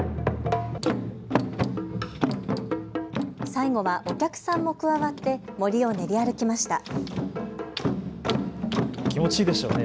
最後はお客さんも加わって森を練り歩きました。